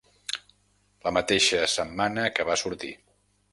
La mateixa setmana que va sortir.